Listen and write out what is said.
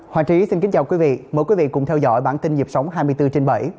hoàng trí xin kính chào quý vị mời quý vị cùng theo dõi bản tin dịp sóng hai mươi bốn trên bảy